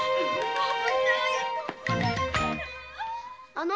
あの！